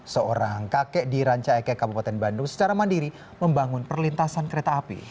seorang kakek di ranca ekek kabupaten bandung secara mandiri membangun perlintasan kereta api